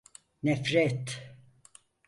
Nefret…